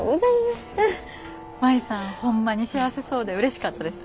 舞さんホンマに幸せそうでうれしかったです。